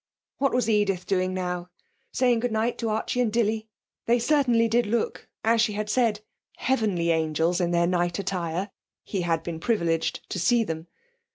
What was Edith doing now? Saying good night to Archie and Dilly? They certainly did look, as she had said, heavenly angels in their night attire (he had been privileged to see them).